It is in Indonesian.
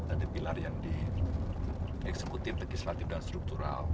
ada pilar yang dieksekuti pekis latihan struktural